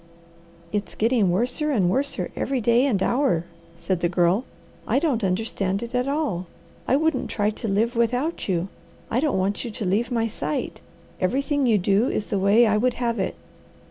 "It's getting worser and worser every day and hour," said the Girl. "I don't understand it at all. I wouldn't try to live without you. I don't want you to leave my sight. Everything you do is the way I would have it.